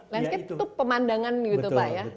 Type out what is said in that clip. landscape itu pemandangan gitu pak ya